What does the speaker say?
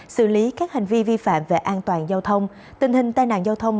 xử lý các hành vi vi phạm về an toàn giao thông tình hình tai nạn giao thông